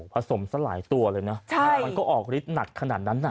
สมซะหลายตัวเลยนะมันก็ออกฤทธิ์หนักขนาดนั้นน่ะ